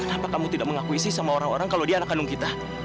kenapa kamu tidak mengakuisisi sama orang orang kalau dia anak kandung kita